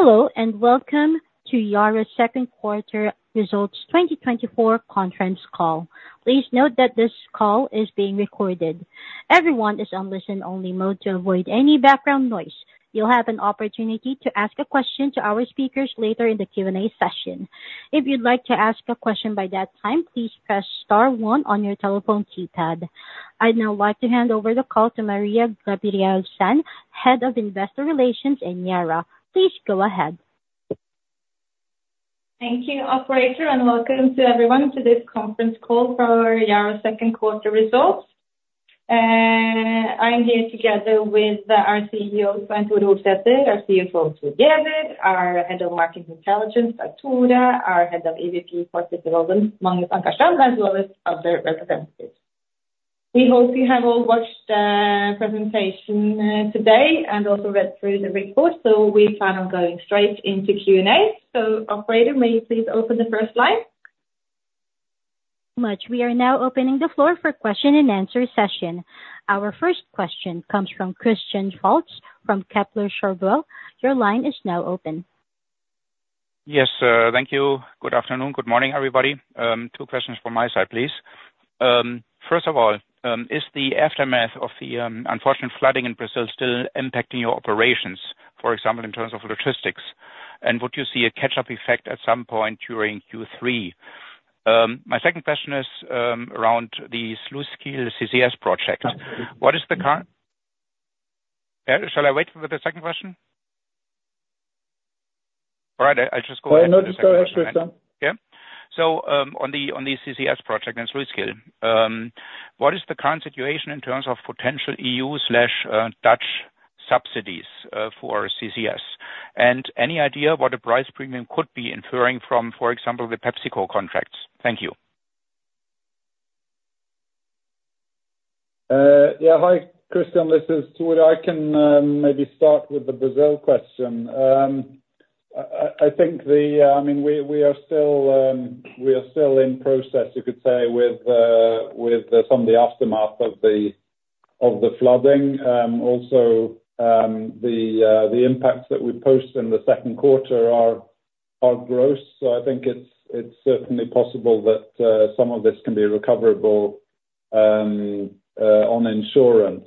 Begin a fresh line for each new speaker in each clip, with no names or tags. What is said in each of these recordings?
Hello and welcome to Yara's second quarter results 2024 conference call. Please note that this call is being recorded. Everyone is on listen-only mode to avoid any background noise. You'll have an opportunity to ask a question to our speakers later in the Q&A session. If you'd like to ask a question by that time, please press star one on your telephone keypad. I'd now like to hand over the call to Maria Gabrielsen, Head of Investor Relations in Yara. Please go ahead.
Thank you, Operator, and welcome to everyone to this conference call for Yara's second quarter results. I'm here together with our CEO, Svein Tore Holsether, our CFO, Thor Giæver, our Head of Market Intelligence, Dag Tore Mo, our EVP Corporate Development, Magnus Ankarstrand, as well as other representatives. We hope you have all watched the presentation today and also read through the report, so we plan on going straight into Q&A. So, Operator, may you please open the first line?
We are now opening the floor for a question-and-answer session. Our first question comes from Christian Faitz from Kepler Cheuvreux. Your line is now open.
Yes, thank you. Good afternoon, good morning, everybody. Two questions from my side, please. First of all, is the aftermath of the unfortunate flooding in Brazil still impacting your operations, for example, in terms of logistics? And would you see a catch-up effect at some point during Q3? My second question is around the Sluiskil CCS project. What is the current? Shall I wait with the second question? All right, I'll just go ahead.
No, just go ahead, Chris.
Yeah. So on the CCS project in Sluiskil, what is the current situation in terms of potential EU/Dutch subsidies for CCS? And any idea what the price premium could be inferring from, for example, the PepsiCo contracts? Thank you.
Yeah, hi, Christian, this is Tore. I can maybe start with the Brazil question. I think the—I mean, we are still in process, you could say, with some of the aftermath of the flooding. Also, the impacts that we post in the second quarter are gross. So I think it's certainly possible that some of this can be recoverable on insurance.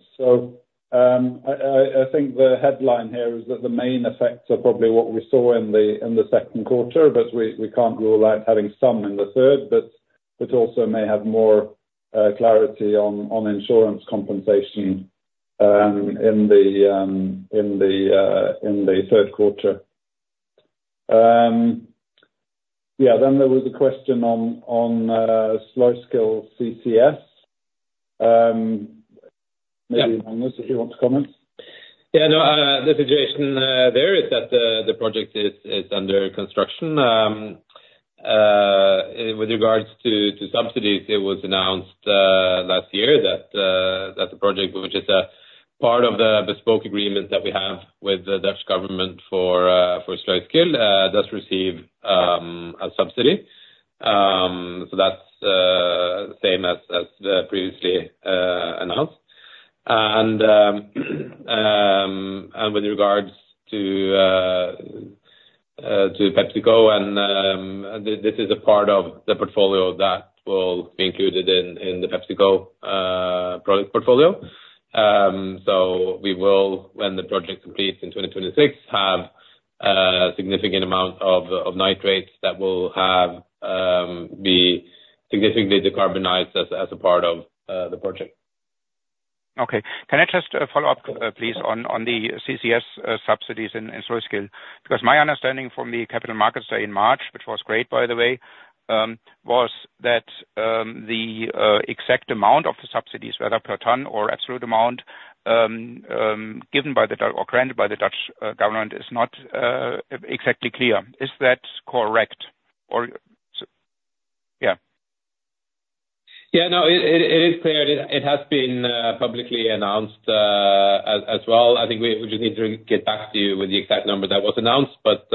So I think the headline here is that the main effects are probably what we saw in the second quarter, but we can't rule out having some in the third. But it also may have more clarity on insurance compensation in the third quarter. Yeah, then there was a question on Sluiskil CCS. Maybe Magnus, if you want to comment?
Yeah, no, the situation there is that the project is under construction. With regards to subsidies, it was announced last year that the project, which is a part of the bespoke agreement that we have with the Dutch government for Sluiskil, does receive a subsidy. So that's the same as previously announced. With regards to PepsiCo, this is a part of the portfolio that will be included in the PepsiCo product portfolio. So we will, when the project completes in 2026, have a significant amount of nitrates that will be significantly decarbonized as a part of the project.
Okay. Can I just follow up, please, on the CCS subsidies in Sluiskil? Because my understanding from the capital markets in March, which was great, by the way, was that the exact amount of the subsidies, whether per ton or absolute amount, given by the Dutch or granted by the Dutch government, is not exactly clear. Is that correct? Yeah.
Yeah, no, it is clear. It has been publicly announced as well. I think we just need to get back to you with the exact number that was announced, but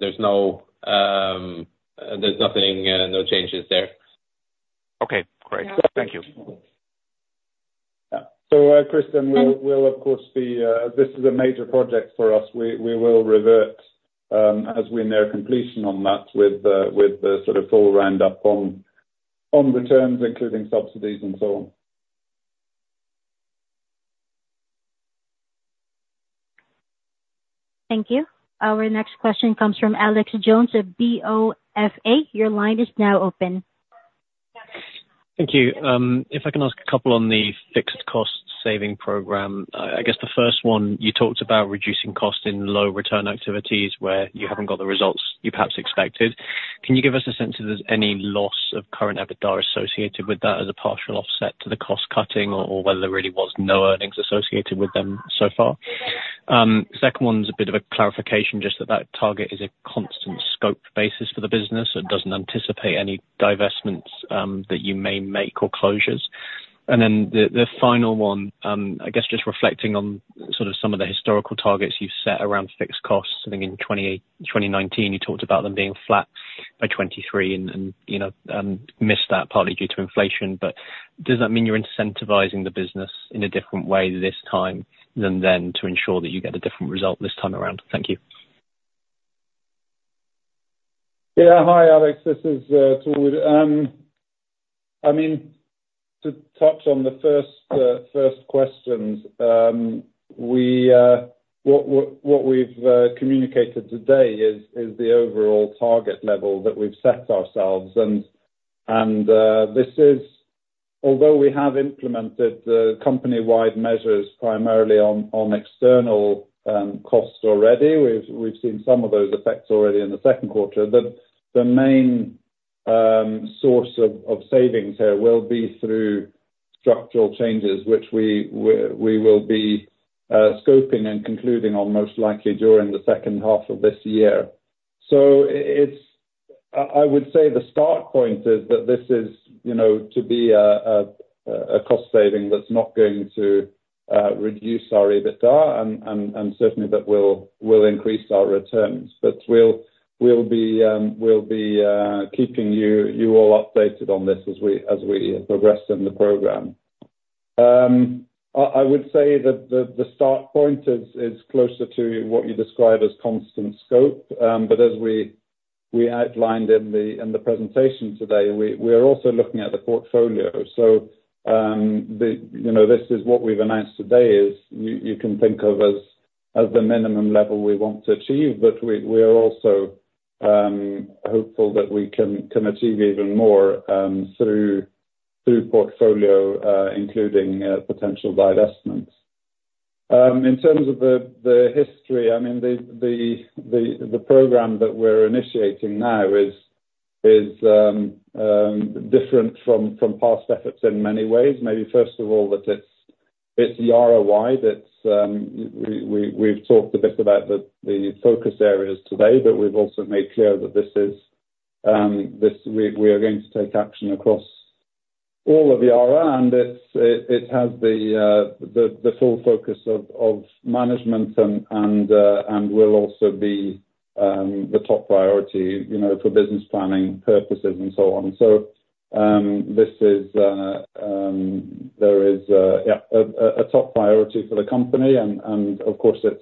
there's nothing, no changes there.
Okay, great. Thank you.
Christian, we'll, of course, be. This is a major project for us. We will revert as we near completion on that with the sort of full roundup on returns, including subsidies and so on.
Thank you. Our next question comes from Alexander Jones, BofA. Your line is now open.
Thank you. If I can ask a couple on the fixed cost saving program, I guess the first one, you talked about reducing costs in low return activities where you haven't got the results you perhaps expected. Can you give us a sense of any loss of current EBITDA associated with that as a partial offset to the cost cutting or whether there really was no earnings associated with them so far? The second one's a bit of a clarification, just that that target is a constant scope basis for the business. It doesn't anticipate any divestments that you may make or closures. And then the final one, I guess just reflecting on sort of some of the historical targets you've set around fixed costs. I think in 2019, you talked about them being flat by 2023 and missed that partly due to inflation. But does that mean you're incentivizing the business in a different way this time than then to ensure that you get a different result this time around? Thank you.
Yeah, hi, Alex. This is Dag Tore Mo. I mean, to touch on the first questions, what we've communicated today is the overall target level that we've set ourselves. And this is, although we have implemented company-wide measures primarily on external costs already, we've seen some of those effects already in the second quarter. The main source of savings here will be through structural changes, which we will be scoping and concluding on most likely during the second half of this year. So I would say the start point is that this is to be a cost saving that's not going to reduce our EBITDA and certainly that will increase our returns. But we'll be keeping you all updated on this as we progress in the program. I would say that the start point is closer to what you describe as constant scope. But as we outlined in the presentation today, we are also looking at the portfolio. So this is what we've announced today as you can think of as the minimum level we want to achieve, but we are also hopeful that we can achieve even more through portfolio, including potential divestments. In terms of the history, I mean, the program that we're initiating now is different from past efforts in many ways. Maybe first of all, that it's Yara-wide. We've talked a bit about the focus areas today, but we've also made clear that we are going to take action across all of Yara, and it has the full focus of management and will also be the top priority for business planning purposes and so on. So there is a top priority for the company. Of course, it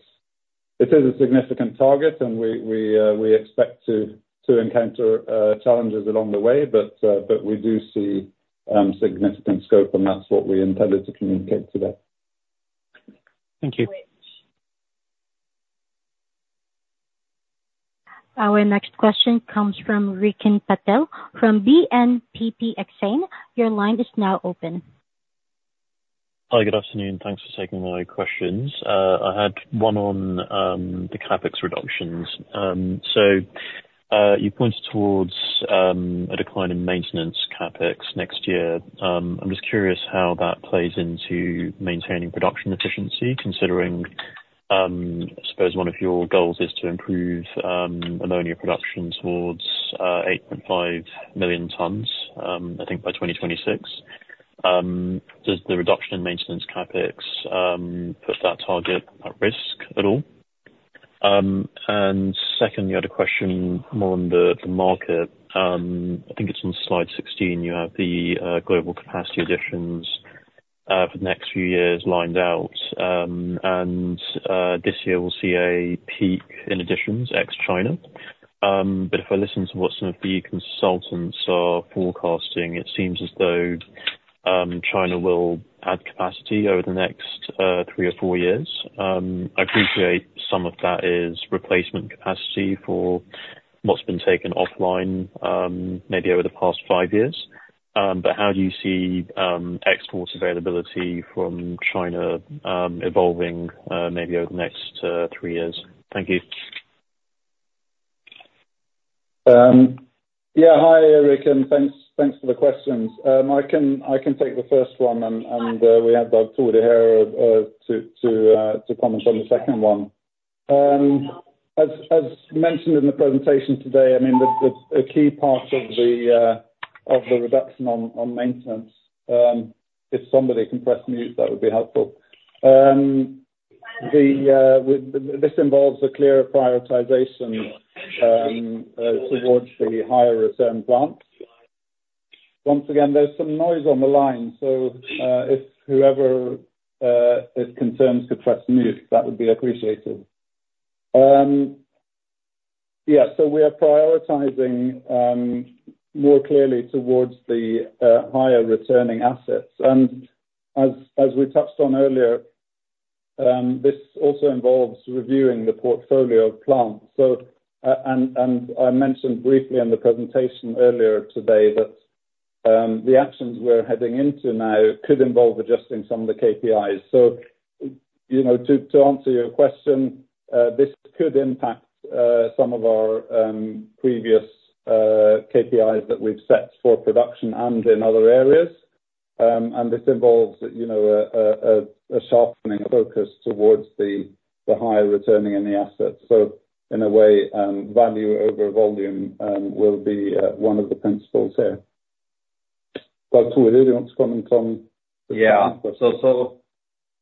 is a significant target, and we expect to encounter challenges along the way, but we do see significant scope, and that's what we intended to communicate today.
Thank you.
Our next question comes from Ricken Patel from BNP Paribas Exane. Your line is now open.
Hi, good afternoon. Thanks for taking my questions. I had one on the CapEx reductions. So you pointed towards a decline in maintenance CapEx next year. I'm just curious how that plays into maintaining production efficiency, considering I suppose one of your goals is to improve ammonia production towards 8.5 million tons, I think, by 2026. Does the reduction in maintenance CapEx put that target at risk at all? And second, you had a question more on the market. I think it's on slide 16. You have the global capacity additions for the next few years lined out. And this year, we'll see a peak in additions ex-China. But if I listen to what some of the consultants are forecasting, it seems as though China will add capacity over the next three or four years. I appreciate some of that is replacement capacity for what's been taken offline maybe over the past five years. But how do you see export availability from China evolving maybe over the next three years? Thank you.
Yeah, hi, Ricken. Thanks for the questions. I can take the first one, and we have Dag Tore Mo here to comment on the second one. As mentioned in the presentation today, I mean, a key part of the reduction on maintenance, if somebody can press mute, that would be helpful. This involves a clearer prioritization towards the higher return plants. Once again, there's some noise on the line, so if whoever is concerned could press mute, that would be appreciated. Yeah, so we are prioritizing more clearly towards the higher returning assets. And as we touched on earlier, this also involves reviewing the portfolio of plants. And I mentioned briefly in the presentation earlier today that the actions we're heading into now could involve adjusting some of the KPIs. So to answer your question, this could impact some of our previous KPIs that we've set for production and in other areas. This involves a sharpening of focus towards the higher returning in the assets. In a way, value over volume will be one of the principles here. Dag Tore Mo, do you want to comment on the second question?
Yeah.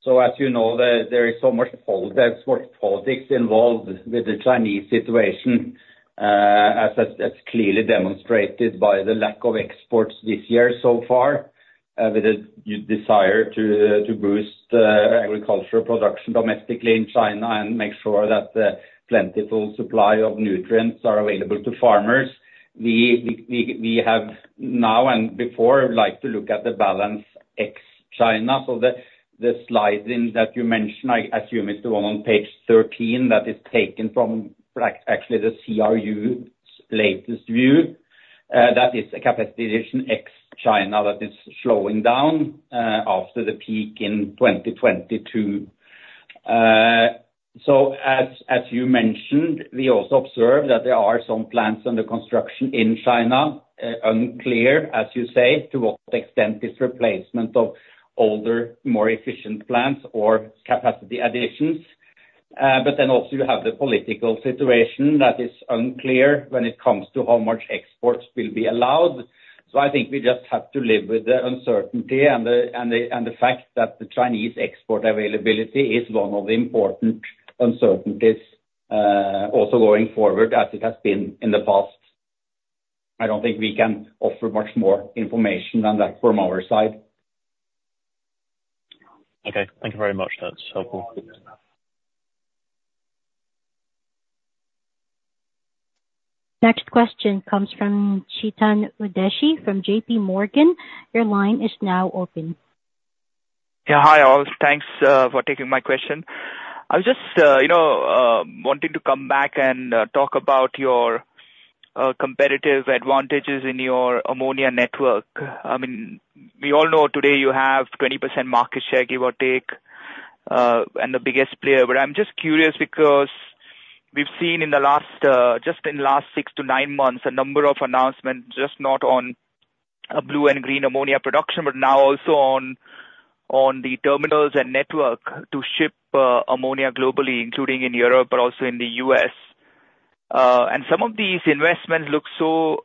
So as you know, there is so much export politics involved with the Chinese situation, as that's clearly demonstrated by the lack of exports this year so far, with a desire to boost agricultural production domestically in China and make sure that plentiful supply of nutrients are available to farmers. We have now and before liked to look at the balance ex-China. So the slide that you mentioned, I assume it's the one on page 13 that is taken from actually the CRU's latest view. That is a capacity addition ex-China that is slowing down after the peak in 2022. So as you mentioned, we also observed that there are some plants under construction in China, unclear, as you say, to what extent it's replacement of older, more efficient plants or capacity additions. But then also you have the political situation that is unclear when it comes to how much exports will be allowed. So I think we just have to live with the uncertainty and the fact that the Chinese export availability is one of the important uncertainties also going forward as it has been in the past. I don't think we can offer much more information than that from our side.
Okay. Thank you very much. That's helpful.
Next question comes from Chetan Udeshi from J.P. Morgan. Your line is now open.
Yeah, hi, Alex. Thanks for taking my question. I was just wanting to come back and talk about your competitive advantages in your ammonia network. I mean, we all know today you have 20% market share, give or take, and the biggest player. But I'm just curious because we've seen in the last, just in the last six to nine months, a number of announcements, just not on blue and green ammonia production, but now also on the terminals and network to ship ammonia globally, including in Europe, but also in the US. And some of these investments look so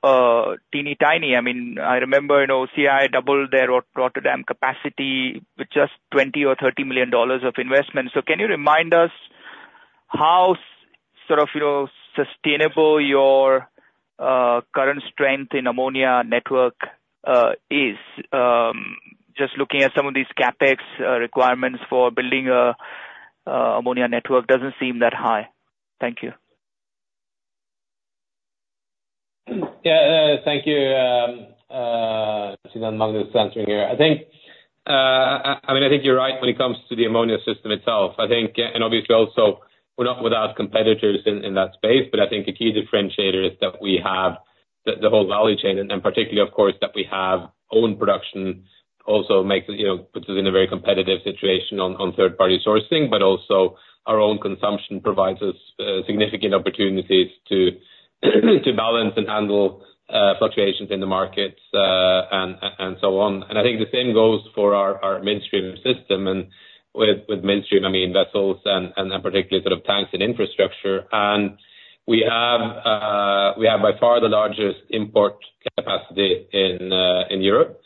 teeny-tiny. I mean, I remember OCI doubled their Rotterdam capacity with just $20 million or $30 million of investment. So can you remind us how sort of sustainable your current strength in ammonia network is? Just looking at some of these CapEx requirements for building an ammonia network doesn't seem that high. Thank you.
Yeah, thank you, Svein-Tore Holsether, for answering here. I mean, I think you're right when it comes to the ammonia system itself. I think, and obviously also, we're not without competitors in that space, but I think a key differentiator is that we have the whole value chain, and particularly, of course, that we have own production also puts us in a very competitive situation on third-party sourcing, but also our own consumption provides us significant opportunities to balance and handle fluctuations in the markets and so on. And I think the same goes for our mainstream system. And with mainstream, I mean vessels and particularly sort of tanks and infrastructure. And we have by far the largest import capacity in Europe,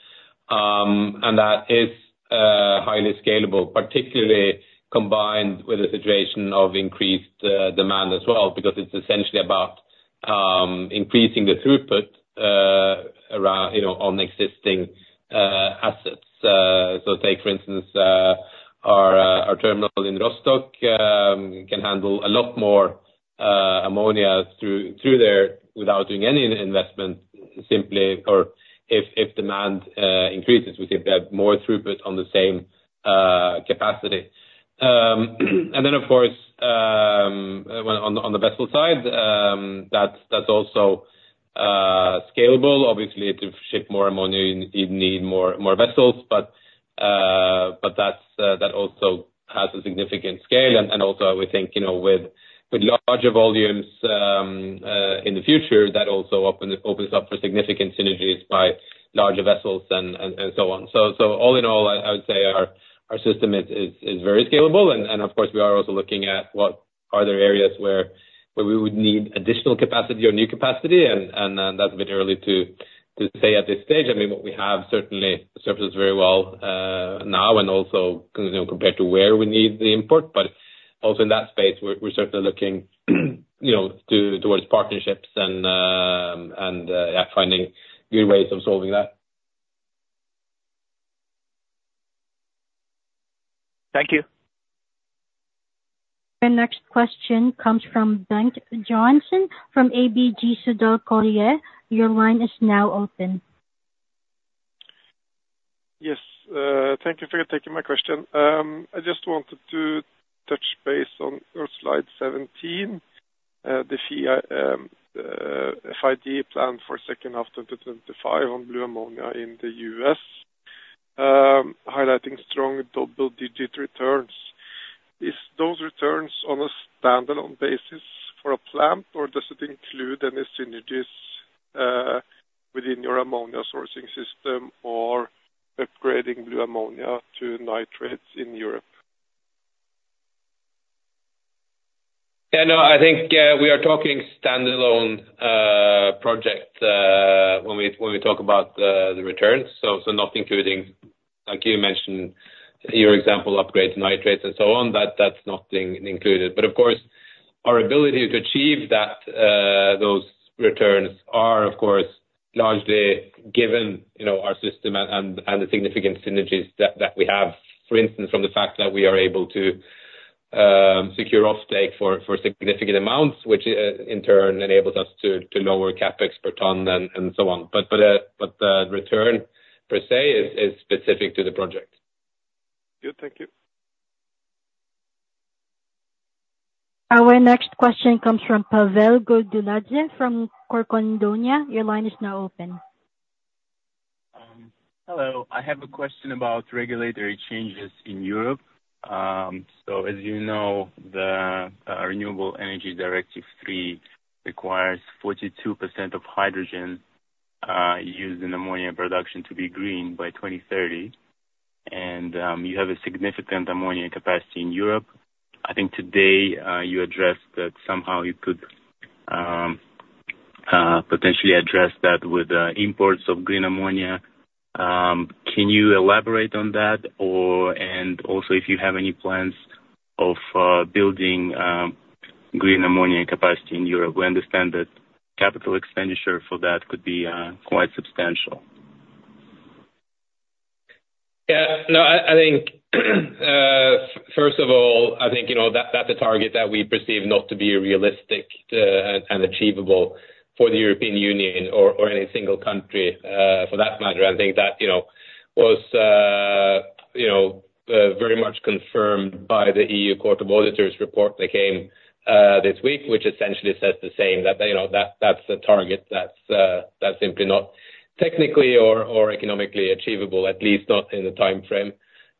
and that is highly scalable, particularly combined with a situation of increased demand as well, because it's essentially about increasing the throughput on existing assets. So, take, for instance, our terminal in Rostock can handle a lot more ammonia without doing any investment, simply. Or if demand increases, we see a bit more throughput on the same capacity. And then, of course, on the vessel side, that's also scalable. Obviously, to ship more ammonia, you need more vessels, but that also has a significant scale. And also, we think with larger volumes in the future, that also opens up for significant synergies by larger vessels and so on. So all in all, I would say our system is very scalable. And of course, we are also looking at what areas there are where we would need additional capacity or new capacity, and that's a bit early to say at this stage. I mean, what we have certainly suffices very well now and also compared to where we need the import. But also in that space, we're certainly looking toward partnerships and finding new ways of solving that.
Thank you.
Our next question comes from Bengt Jonassen from ABG Sundal Collier. Your line is now open.
Yes. Thank you for taking my question. I just wanted to touch base on slide 17, the FID plan for the second half of 2025 on blue ammonia in the U.S., highlighting strong double-digit returns. Is those returns on a standalone basis for a plant, or does it include any synergies within your ammonia sourcing system or upgrading blue ammonia to nitrates in Europe?
Yeah, no, I think we are talking standalone project when we talk about the returns. So not including, like you mentioned, your example of upgraded nitrates and so on, that's not included. But of course, our ability to achieve those returns are, of course, largely given our system and the significant synergies that we have, for instance, from the fact that we are able to secure offtake for significant amounts, which in turn enables us to lower CapEx per ton and so on. But the return per se is specific to the project.
Good. Thank you.
Our next question comes from Pavel Goldunadze from Corcondonia. Your line is now open.
Hello. I have a question about regulatory changes in Europe. So as you know, the Renewable Energy Directive III requires 42% of hydrogen used in ammonia production to be green by 2030. You have a significant ammonia capacity in Europe. I think today you addressed that somehow you could potentially address that with imports of green ammonia. Can you elaborate on that? Also, if you have any plans of building green ammonia capacity in Europe, we understand that capital expenditure for that could be quite substantial.
Yeah. No, I think first of all, I think that's a target that we perceive not to be realistic and achievable for the European Union or any single country for that matter. I think that was very much confirmed by the EU Court of Auditors report that came this week, which essentially says the same, that that's a target that's simply not technically or economically achievable, at least not in the timeframe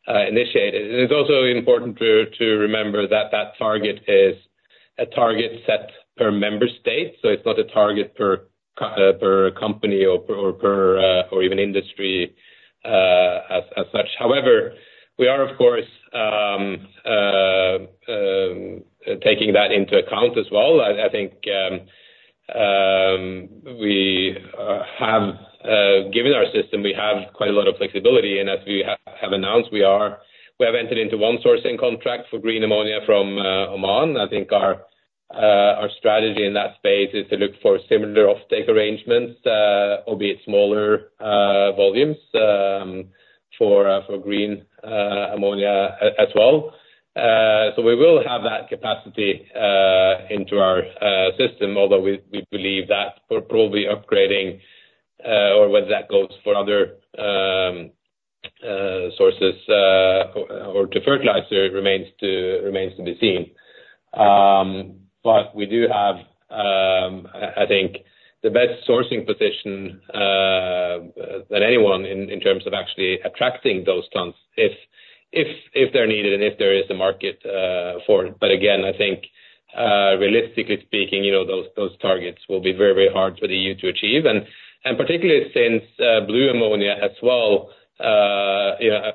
initiated. It's also important to remember that that target is a target set per member state. It's not a target per company or even industry as such. However, we are, of course, taking that into account as well. I think we have given our system, we have quite a lot of flexibility. As we have announced, we have entered into one sourcing contract for green ammonia from Oman. I think our strategy in that space is to look for similar offtake arrangements, albeit smaller volumes for green ammonia as well. So we will have that capacity into our system, although we believe that we're probably upgrading or whether that goes for other sources or to fertilizer remains to be seen. But we do have, I think, the best sourcing position than anyone in terms of actually attracting those tons if they're needed and if there is a market for it. But again, I think realistically speaking, those targets will be very, very hard for the EU to achieve. And particularly since blue ammonia as well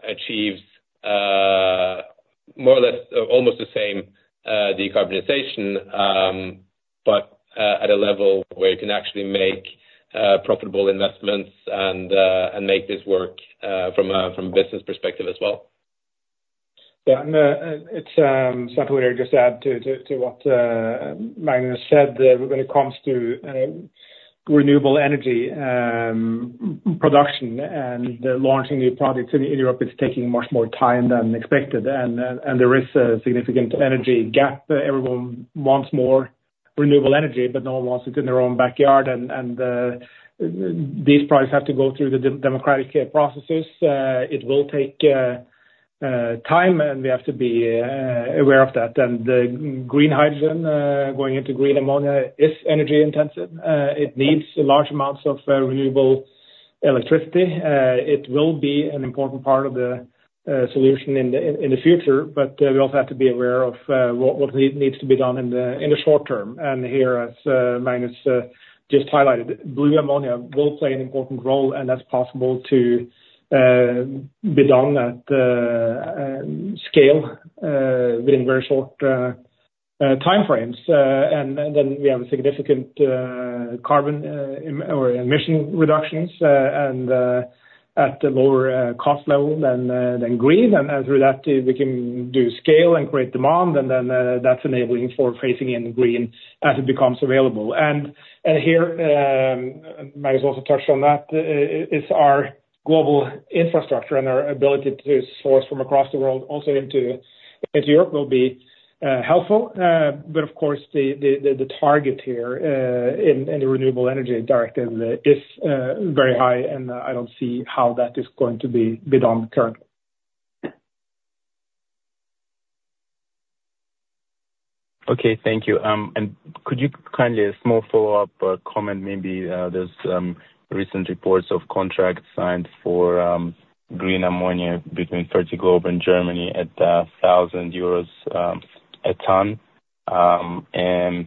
achieves more or less almost the same decarbonization, but at a level where you can actually make profitable investments and make this work from a business perspective as well.
Yeah. It's simple to just add to what Magnus said when it comes to renewable energy production and launching new projects in Europe, it's taking much more time than expected. There is a significant energy gap. Everyone wants more renewable energy, but no one wants it in their own backyard. These projects have to go through the democratic processes. It will take time, and we have to be aware of that. Green hydrogen going into green ammonia is energy intensive. It needs large amounts of renewable electricity. It will be an important part of the solution in the future, but we also have to be aware of what needs to be done in the short term. Here, as Magnus just highlighted, blue ammonia will play an important role, and that's possible to be done at scale within very short timeframes. And then we have significant carbon or emission reductions at a lower cost level than green. And through that, we can do scale and create demand, and then that's enabling for phasing in green as it becomes available. And here, Magnus also touched on that, is our global infrastructure and our ability to source from across the world also into Europe will be helpful. But of course, the target here in the Renewable Energy Directive is very high, and I don't see how that is going to be done currently.
Okay. Thank you. Could you kindly add a small follow-up comment? Maybe there's recent reports of contracts signed for green ammonia between Fertiglobe and Germany at 1,000 euros a ton. And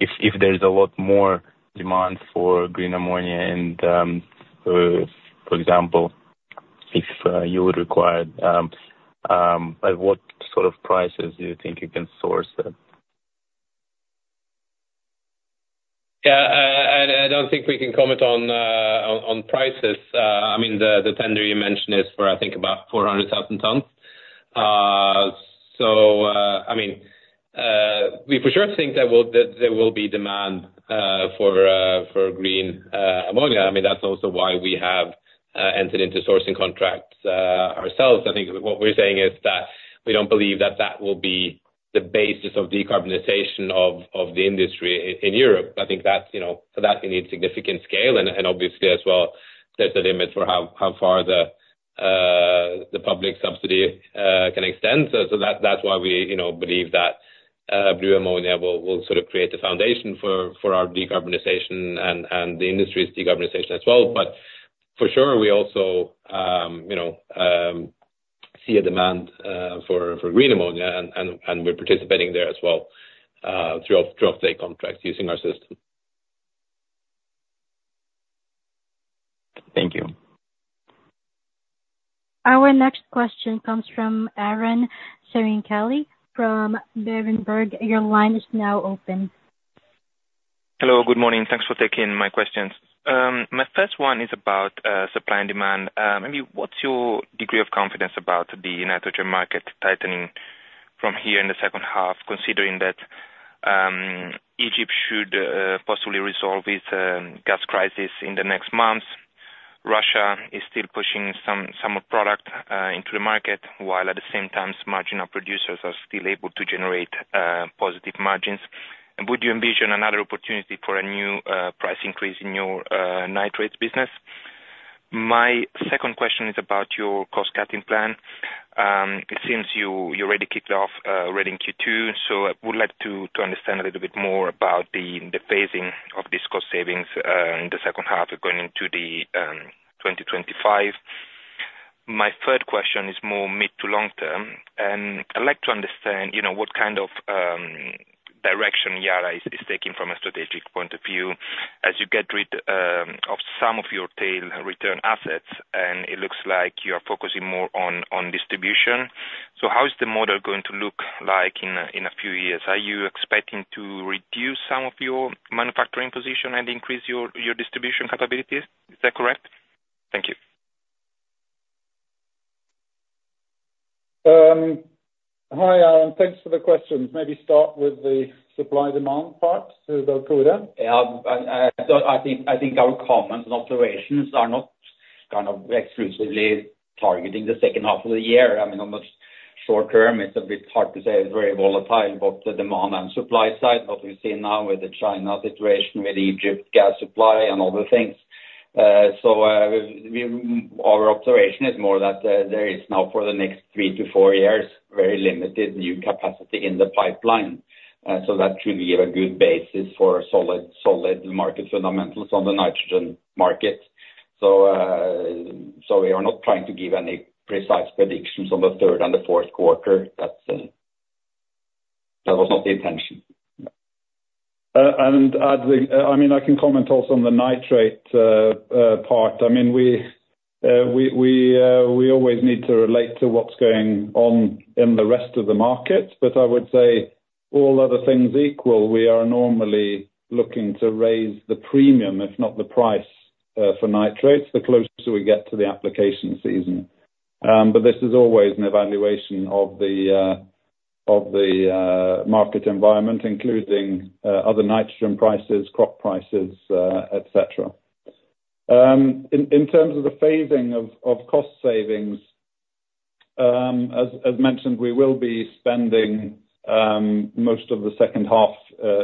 if there's a lot more demand for green ammonia, for example, if you would require, at what sort of prices do you think you can source that?
Yeah. I don't think we can comment on prices. I mean, the tender you mentioned is for, I think, about 400,000 tons. So I mean, we for sure think there will be demand for green ammonia. I mean, that's also why we have entered into sourcing contracts ourselves. I think what we're saying is that we don't believe that that will be the basis of decarbonization of the industry in Europe. I think for that, we need significant scale. And obviously, as well, there's a limit for how far the public subsidy can extend. So that's why we believe that blue ammonia will sort of create the foundation for our decarbonization and the industry's decarbonization as well. But for sure, we also see a demand for green ammonia, and we're participating there as well through offtake contracts using our system.
Thank you.
Our next question comes from Aron Ceccarelli from Berenberg. Your line is now open.
Hello. Good morning. Thanks for taking my questions. My first one is about supply and demand. Maybe what's your degree of confidence about the nitrogen market tightening from here in the second half, considering that Egypt should possibly resolve its gas crisis in the next months? Russia is still pushing some of the product into the market, while at the same time, marginal producers are still able to generate positive margins. And would you envision another opportunity for a new price increase in your nitrates business? My second question is about your cost-cutting plan. It seems you already kicked off in Q2, so I would like to understand a little bit more about the phasing of these cost savings in the second half going into 2025. My third question is more mid to long term. I'd like to understand what kind of direction Yara is taking from a strategic point of view as you get rid of some of your tail return assets. It looks like you are focusing more on distribution. How is the model going to look like in a few years? Are you expecting to reduce some of your manufacturing position and increase your distribution capabilities? Is that correct? Thank you.
Hi, Aron. Thanks for the questions. Maybe start with the supply-demand part. So don't go there.
I think our comments and observations are not kind of exclusively targeting the second half of the year. I mean, on the short term, it's a bit hard to say. It's very volatile both the demand and supply side. What we've seen now with the China situation, with Egypt's gas supply and other things. So our observation is more that there is now, for the next three to four years, very limited new capacity in the pipeline. So that should give a good basis for solid market fundamentals on the nitrogen market. So we are not trying to give any precise predictions on the third and the fourth quarter. That was not the intention.
I mean, I can comment also on the nitrate part. I mean, we always need to relate to what's going on in the rest of the market. But I would say all other things equal, we are normally looking to raise the premium, if not the price for nitrates, the closer we get to the application season. But this is always an evaluation of the market environment, including other nitrogen prices, crop prices, etc. In terms of the phasing of cost savings, as mentioned, we will be spending most of the second half,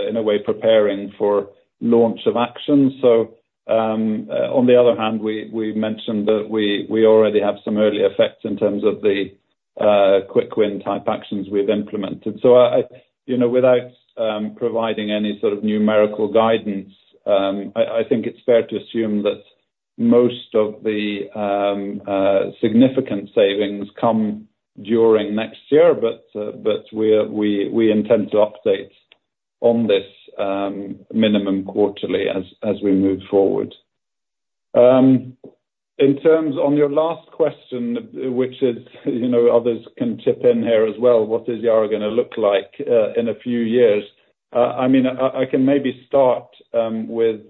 in a way, preparing for launch of actions. So on the other hand, we mentioned that we already have some early effects in terms of the quick win type actions we've implemented. So without providing any sort of numerical guidance, I think it's fair to assume that most of the significant savings come during next year. But we intend to update on this minimum quarterly as we move forward. On your last question, which is others can chip in here as well, what is Yara going to look like in a few years? I mean, I can maybe start with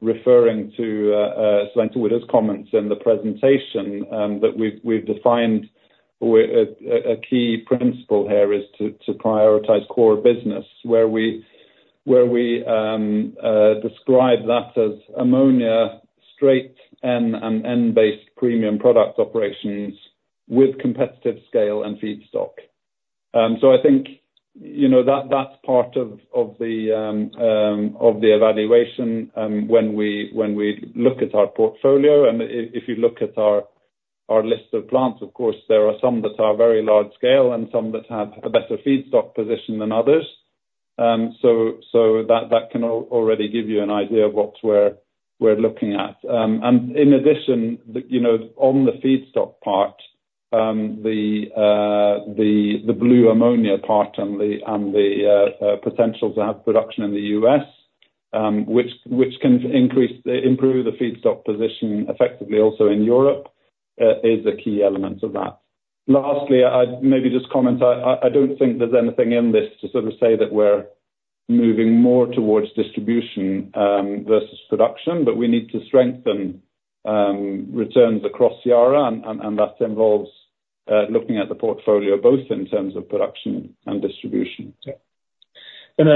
referring to Svein-Tore Holsether's comments in the presentation that we've defined a key principle here is to prioritize core business, where we describe that as ammonia straight and N-based premium product operations with competitive scale and feedstock. So I think that's part of the evaluation when we look at our portfolio. And if you look at our list of plants, of course, there are some that are very large scale and some that have a better feedstock position than others. So that can already give you an idea of what we're looking at. And in addition, on the feedstock part, the blue ammonia part and the potential to have production in the U.S., which can improve the feedstock position effectively also in Europe, is a key element of that. Lastly, I'd maybe just comment. I don't think there's anything in this to sort of say that we're moving more towards distribution versus production, but we need to strengthen returns across Yara, and that involves looking at the portfolio both in terms of production and distribution. Yeah. And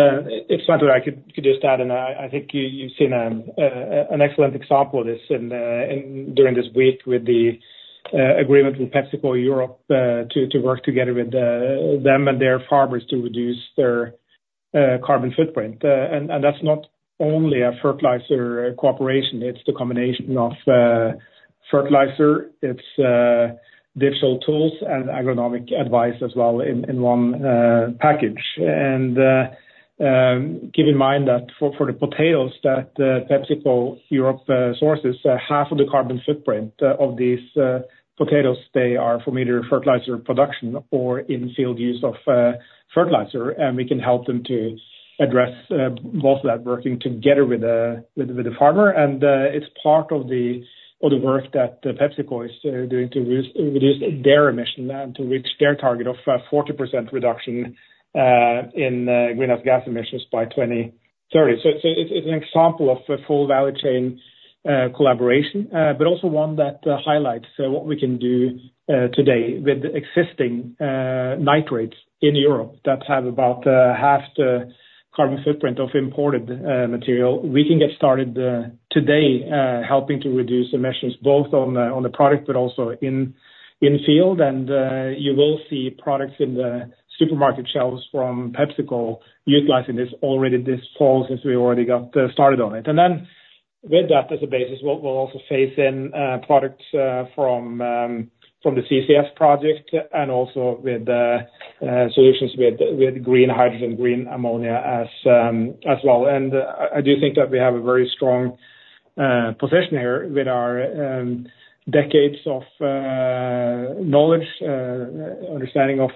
if Sluiskil could just add, and I think you've seen an excellent example of this during this week with the agreement with PepsiCo Europe to work together with them and their farmers to reduce their carbon footprint. And that's not only a fertilizer cooperation. It's the combination of fertilizer, it's digital tools, and agronomic advice as well in one package. Keep in mind that for the potatoes that PepsiCo Europe sources, half of the carbon footprint of these potatoes, they are from either fertilizer production or in-field use of fertilizer. We can help them to address both that working together with the farmer. It's part of the work that PepsiCo is doing to reduce their emission and to reach their target of 40% reduction in greenhouse gas emissions by 2030. So it's an example of full value chain collaboration, but also one that highlights what we can do today with existing nitrates in Europe that have about half the carbon footprint of imported material. We can get started today helping to reduce emissions both on the product, but also in-field. You will see products in the supermarket shelves from PepsiCo utilizing this already this fall since we already got started on it. With that as a basis, we'll also phase in products from the CCS project and also with solutions with green hydrogen, green ammonia as well. I do think that we have a very strong position here with our decades of knowledge, understanding of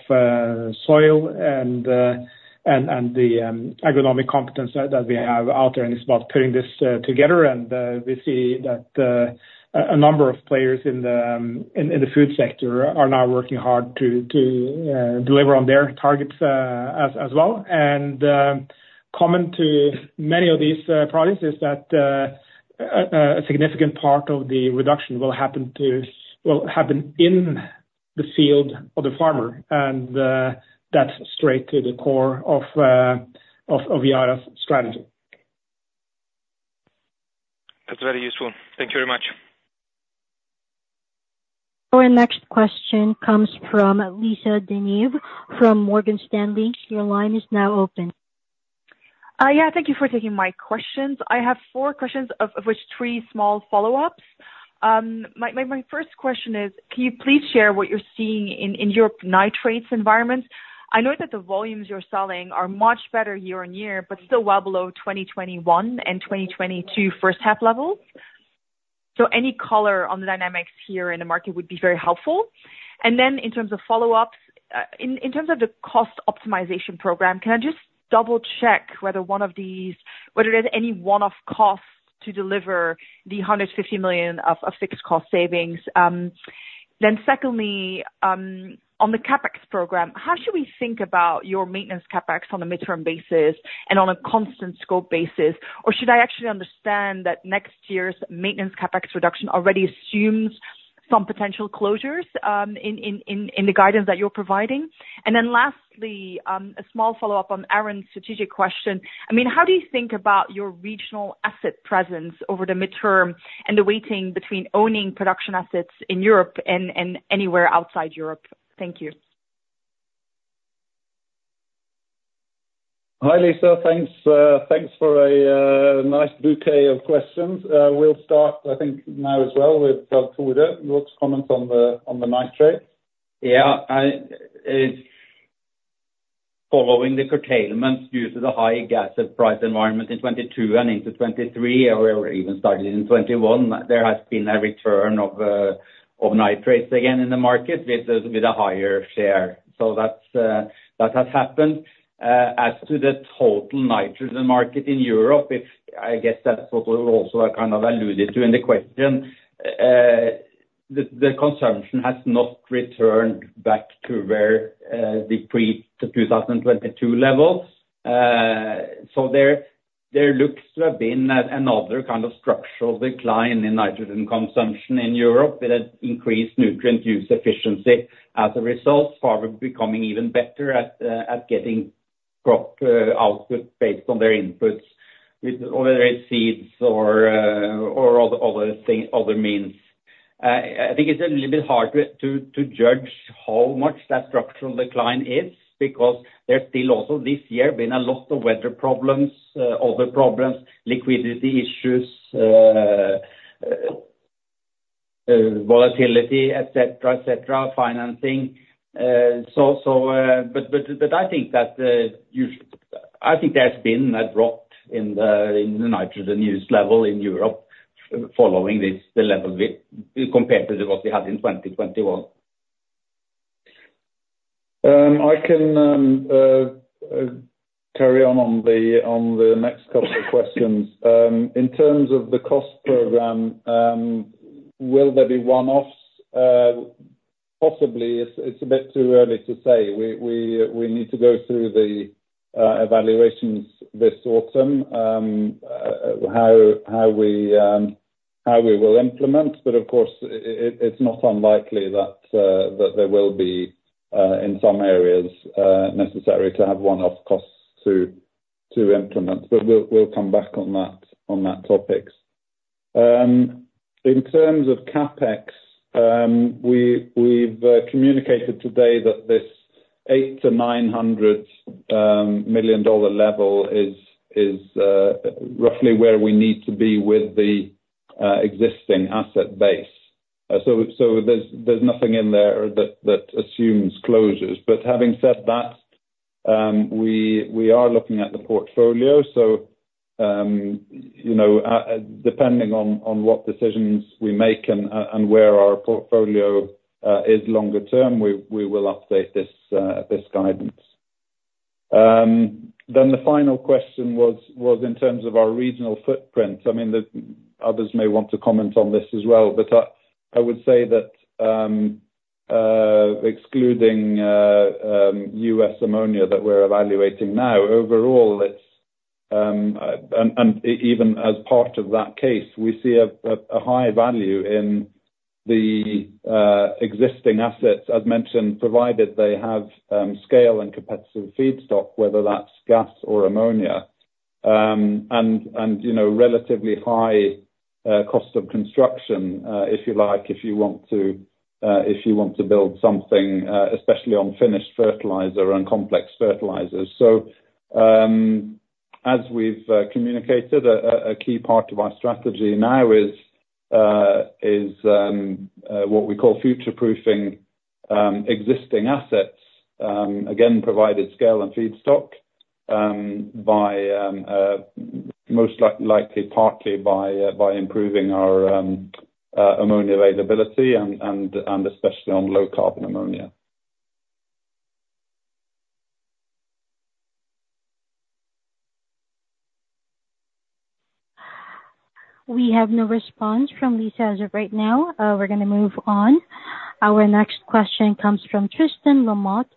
soil, and the agronomic competence that we have out there. It's about putting this together. We see that a number of players in the food sector are now working hard to deliver on their targets as well. And, comment to many of these projects, is that a significant part of the reduction will happen in the field of the farmer. That's straight to the core of Yara's strategy.
That's very useful. Thank you very much.
Our next question comes from Lisa De Neve from Morgan Stanley. Your line is now open.
Yeah. Thank you for taking my questions. I have four questions, of which three small follow-ups. My first question is, can you please share what you're seeing in your nitrates environment? I know that the volumes you're selling are much better year-over-year, but still well below 2021 and 2022 first-half levels. So any color on the dynamics here in the market would be very helpful. And then in terms of follow-ups, in terms of the cost optimization program, can I just double-check whether there's any one-off costs to deliver the $150 million of fixed cost savings? Then secondly, on the CapEx program, how should we think about your maintenance CapEx on a midterm basis and on a constant scope basis? Or should I actually understand that next year's maintenance CapEx reduction already assumes some potential closures in the guidance that you're providing? Lastly, a small follow-up on Aron's strategic question. I mean, how do you think about your regional asset presence over the midterm and the weighting between owning production assets in Europe and anywhere outside Europe? Thank you.
Hi, Lisa. Thanks for a nice bouquet of questions. We'll start, I think, now as well with Dag Tore Mo, your comments on the nitrates.
Yeah. Following the curtailment due to the high gas price environment in 2022 and into 2023, or even started in 2021, there has been a return of nitrates again in the market with a higher share. So that has happened. As to the total nitrogen market in Europe, I guess that's what we've also kind of alluded to in the question. The consumption has not returned back to where the pre-2022 levels. So there looks to have been another kind of structural decline in nitrogen consumption in Europe with an increased nutrient use efficiency as a result, farmers becoming even better at getting crop output based on their inputs, whether it's seeds or other means. I think it's a little bit hard to judge how much that structural decline is because there's still also this year been a lot of weather problems, other problems, liquidity issues, volatility, etc., etc., financing. But I think that there's been a drop in the nitrogen use level in Europe following the level compared to what we had in 2021.
I can carry on on the next couple of questions. In terms of the cost program, will there be one-offs? Possibly. It's a bit too early to say. We need to go through the evaluations this autumn, how we will implement. But of course, it's not unlikely that there will be, in some areas, necessary to have one-off costs to implement. But we'll come back on that topic. In terms of CapEx, we've communicated today that this $800 million-$900 million level is roughly where we need to be with the existing asset base. So there's nothing in there that assumes closures. But having said that, we are looking at the portfolio. So depending on what decisions we make and where our portfolio is longer term, we will update this guidance. Then the final question was in terms of our regional footprint. I mean, others may want to comment on this as well. But I would say that excluding US ammonia that we're evaluating now, overall, and even as part of that case, we see a high value in the existing assets, as mentioned, provided they have scale and competitive feedstock, whether that's gas or ammonia, and relatively high cost of construction, if you like, if you want to build something, especially on finished fertilizer and complex fertilizers. So as we've communicated, a key part of our strategy now is what we call future-proofing existing assets, again, provided scale and feedstock, most likely partly by improving our ammonia availability, and especially on low-carbon ammonia.
We have no response from Lisa as of right now. We're going to move on. Our next question comes from Tristan Lamotte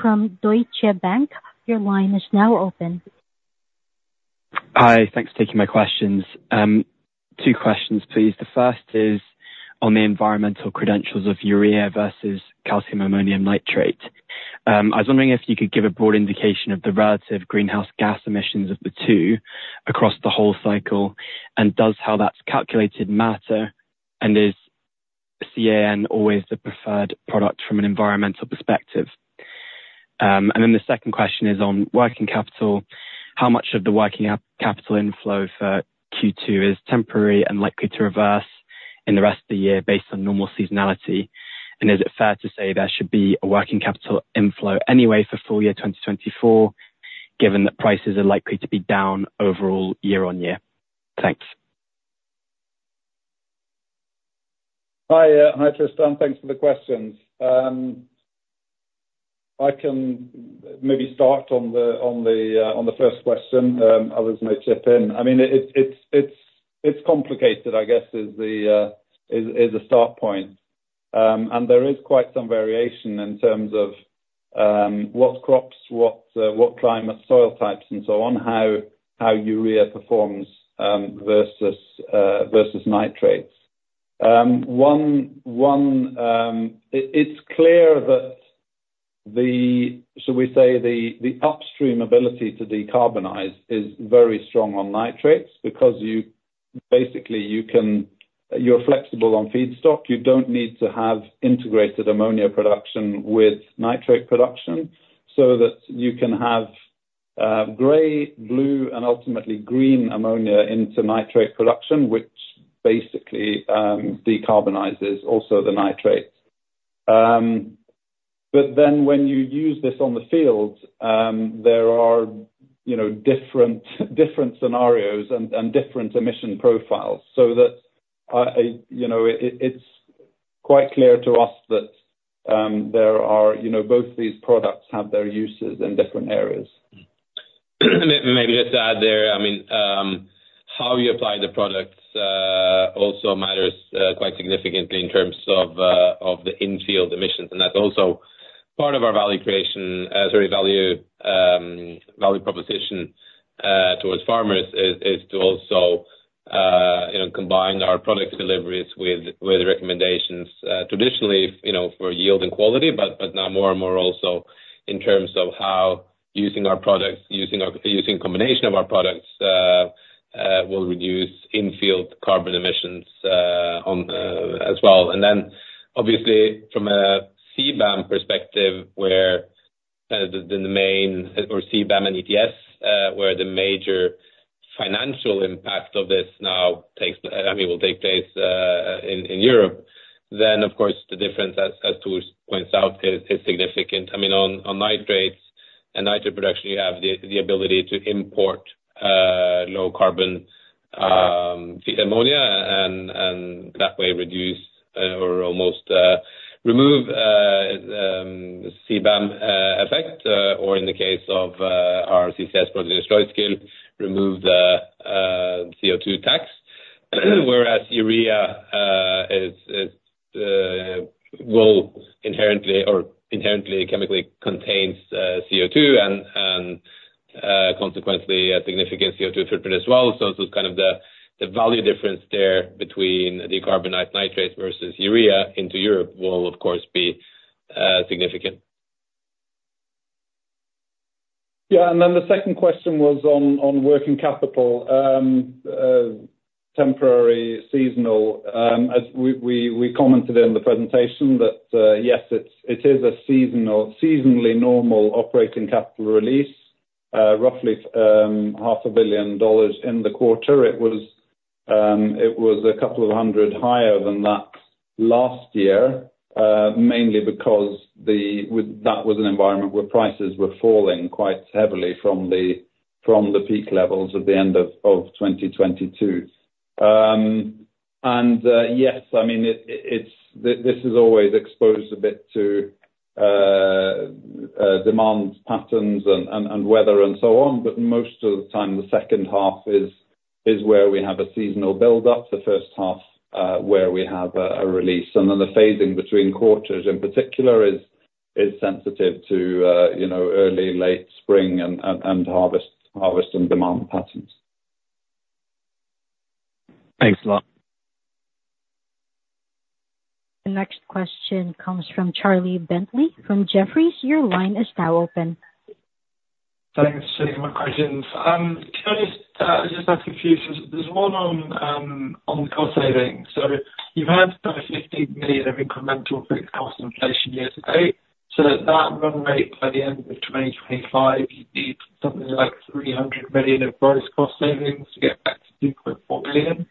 from Deutsche Bank. Your line is now open.
Hi. Thanks for taking my questions. Two questions, please. The first is on the environmental credentials of urea versus calcium ammonium nitrate. I was wondering if you could give a broad indication of the relative greenhouse gas emissions of the two across the whole cycle, and does how that's calculated matter, and is CAN always the preferred product from an environmental perspective? And then the second question is on working capital. How much of the working capital inflow for Q2 is temporary and likely to reverse in the rest of the year based on normal seasonality? And is it fair to say there should be a working capital inflow anyway for full year 2024, given that prices are likely to be down overall year-on-year? Thanks.
Hi, Tristan. Thanks for the questions. I can maybe start on the first question. Others may chip in. I mean, it's complicated, I guess, is the start point. There is quite some variation in terms of what crops, what climate, soil types, and so on, how urea performs versus nitrates. It's clear that, shall we say, the upstream ability to decarbonize is very strong on nitrates because basically you're flexible on feedstock. You don't need to have integrated ammonia production with nitrate production so that you can have gray, blue, and ultimately green ammonia into nitrate production, which basically decarbonizes also the nitrates. But then when you use this on the field, there are different scenarios and different emission profiles. It's quite clear to us that both these products have their uses in different areas.
Maybe just to add there, I mean, how you apply the products also matters quite significantly in terms of the in-field emissions. That's also part of our value creation, sorry, value proposition towards farmers: to also combine our product deliveries with recommendations traditionally for yield and quality, but now more and more also in terms of how using our products, using a combination of our products will reduce in-field carbon emissions as well. Then obviously from a CBAM perspective, where the main or CBAM and ETS, where the major financial impact of this now takes, I mean, will take place in Europe, then of course the difference, as Tore points out, is significant. I mean, on nitrates and nitrate production, you have the ability to import low-carbon ammonia and that way reduce or almost remove CBAM effect, or in the case of our CCS project, Sluiskil, remove the CO2 tax, whereas urea will inherently chemically contain CO2 and consequently a significant CO2 footprint as well. So kind of the value difference there between decarbonized nitrates versus urea into Europe will of course be significant.
Yeah. Then the second question was on working capital, temporary, seasonal. We commented in the presentation that yes, it is a seasonally normal operating capital release, roughly $500 million in the quarter. It was a couple of hundred million higher than that last year, mainly because that was an environment where prices were falling quite heavily from the peak levels at the end of 2022. Yes, I mean, this is always exposed a bit to demand patterns and weather and so on, but most of the time the second half is where we have a seasonal buildup, the first half where we have a release. Then the phasing between quarters in particular is sensitive to early, late spring and harvest and demand patterns.
Thanks a lot.
The next question comes from Charlie Bentley from Jefferies. Your line is now open.
Thanks. Same questions. Can I just ask a few things? There's one on cost savings. So you've had $15 million of incremental fixed cost inflation year to date. So at that run rate by the end of 2025, you need something like $300 million of gross cost savings to get back to $2.4 million.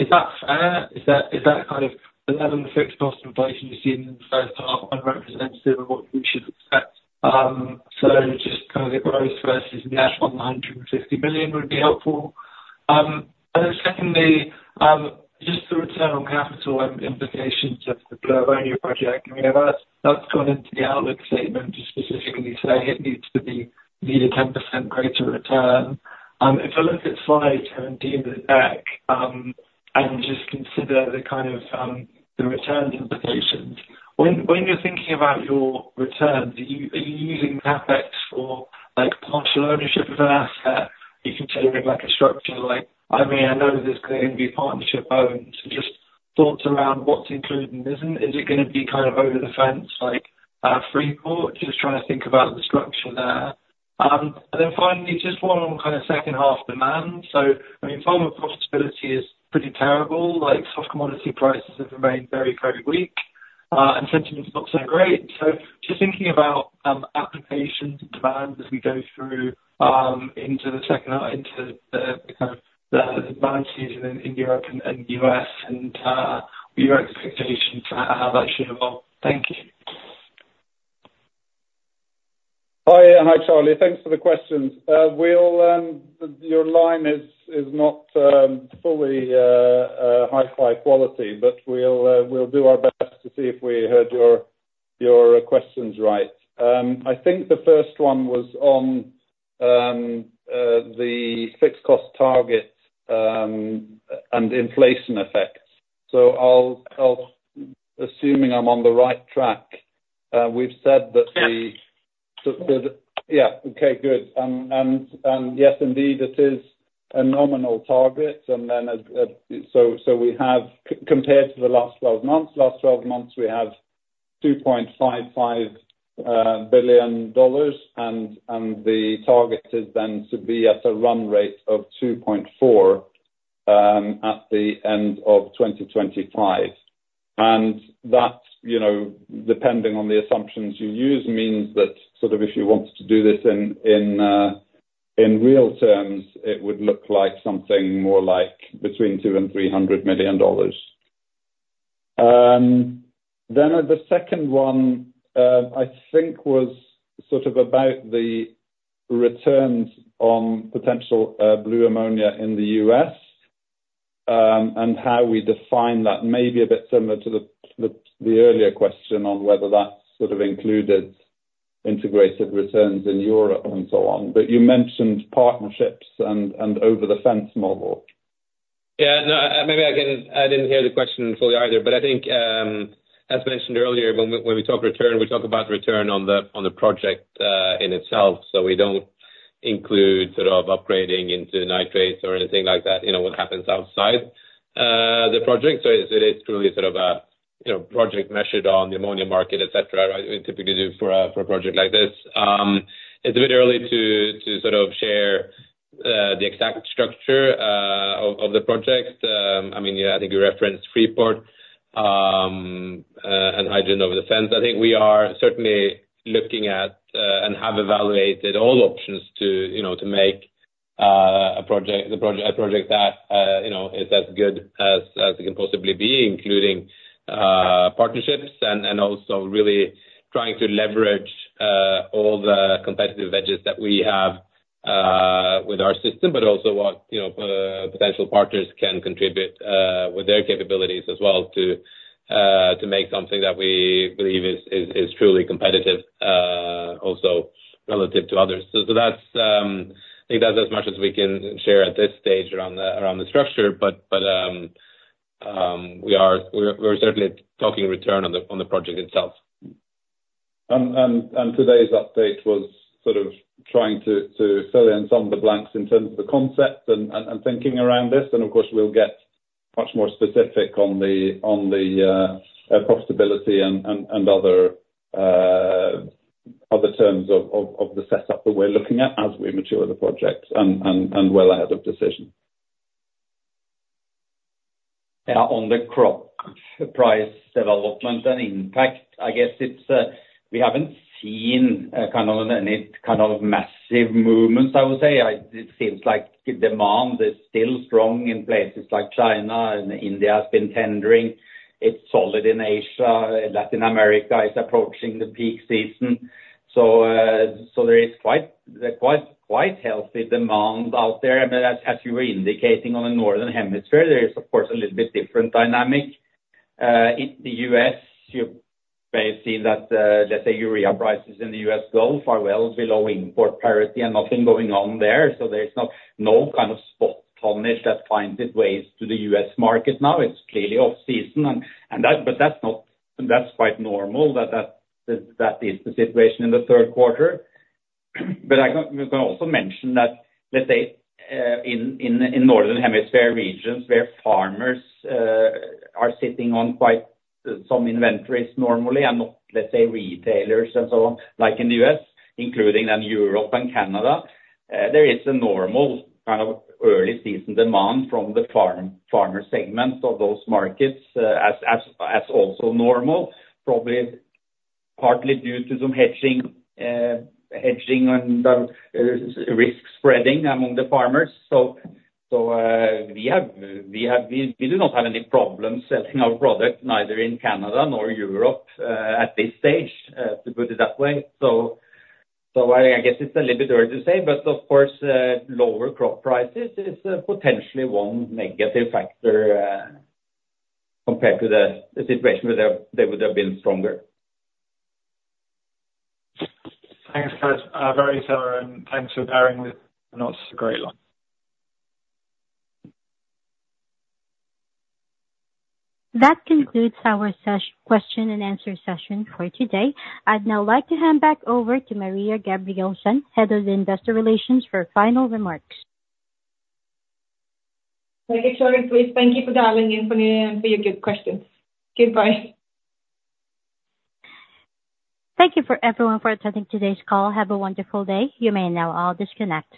Is that fair? Is that kind of $11 fixed cost inflation you've seen in the first half unrepresentative of what we should expect? So just kind of the gross versus the actual $150 million would be helpful. And then secondly, just the return on capital implications of the blue ammonia project. I mean, that's gone into the outlook statement to specifically say it needs to be need a 10% greater return. If I look at slide 17 of the deck and just consider the kind of return implications, when you're thinking about your return, are you using CapEx for partial ownership of an asset? Are you considering a structure like, "I mean, I know there's going to be partnership owned?" Just thoughts around what's included and isn't? Is it going to be kind of over the fence like Freeport? Just trying to think about the structure there. And then finally, just one on kind of second half demand. So I mean, farmer profitability is pretty terrible. Soft commodity prices have remained very, very weak, and sentiment's not so great. So just thinking about applications and demand as we go through into the second half, into kind of the demand season in Europe and the US and your expectations for how that should evolve. Thank you.
Hi. Hi, Charlie. Thanks for the questions. Your line is not fully hi-fi quality, but we'll do our best to see if we heard your questions right. I think the first one was on the fixed cost target and inflation effects. So assuming I'm on the right track, we've said that the.
Yes.
Yeah. Okay. Good. And yes, indeed, it is a nominal target. And then so we have, compared to the last 12 months, last 12 months we have $2.55 billion, and the target is then to be at a run rate of $2.4 billion at the end of 2025. And that, depending on the assumptions you use, means that sort of if you wanted to do this in real terms, it would look like something more like between $200 million and $300 million. Then the second one, I think, was sort of about the returns on potential Blue Ammonia in the U.S. and how we define that, maybe a bit similar to the earlier question on whether that's sort of included integrated returns in Europe and so on. But you mentioned partnerships and over-the-fence model.
Yeah. No, maybe I didn't hear the question fully either. But I think, as mentioned earlier, when we talk return, we talk about return on the project in itself. So we don't include sort of upgrading into nitrates or anything like that, what happens outside the project. So it is truly sort of a project measured on the ammonia market, etc., right, we typically do for a project like this. It's a bit early to sort of share the exact structure of the project. I mean, I think you referenced Freeport and hydrogen over the fence. I think we are certainly looking at and have evaluated all options to make a project that is as good as it can possibly be, including partnerships, and also really trying to leverage all the competitive edges that we have with our system, but also what potential partners can contribute with their capabilities as well to make something that we believe is truly competitive also relative to others. I think that's as much as we can share at this stage around the structure. We're certainly talking return on the project itself.
Today's update was sort of trying to fill in some of the blanks in terms of the concept and thinking around this. Of course, we'll get much more specific on the profitability and other terms of the setup that we're looking at as we mature the project and well ahead of decision. On the crop price development and impact, I guess we haven't seen kind of any kind of massive movements, I would say. It seems like demand is still strong in places like China, and India has been tendering. It's solid in Asia. Latin America is approaching the peak season. So there is quite healthy demand out there. I mean, as you were indicating on the Northern Hemisphere, there is, of course, a little bit different dynamic. In the US, you may have seen that, let's say, Urea prices in the US Gulf are well below import parity and nothing going on there. So there's no kind of spot tonnage that finds its way to the US market now. It's clearly off-season. But that's quite normal that that is the situation in the third quarter. But I can also mention that, let's say, in Northern Hemisphere regions where farmers are sitting on quite some inventories normally and not, let's say, retailers and so on, like in the U.S., including then Europe and Canada, there is a normal kind of early season demand from the farmer segment of those markets as also normal, probably partly due to some hedging and risk spreading among the farmers. So we do not have any problems selling our product neither in Canada nor Europe at this stage, to put it that way. So I guess it's a little bit early to say, but of course, lower crop prices is potentially one negative factor compared to the situation where they would have been stronger.
Thanks, guys. Very similar. Thanks for bearing with. Not a great one.
That concludes our question and answer session for today. I'd now like to hand back over to Maria Gabrielsen, Head of Investor Relations, for final remarks.
Thank you, Charlie. Please thank you for dialing in for me and for your good questions. Goodbye.
Thank you for everyone for attending today's call. Have a wonderful day. You may now all disconnect.